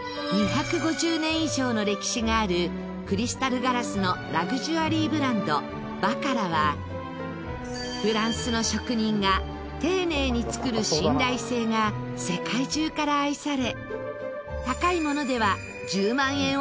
２５０年以上の歴史があるクリスタルガラスのラグジュアリーブランドバカラはフランスの職人が丁寧に作る信頼性が世界中から愛され高いものでは１０万円を優に超えるものも。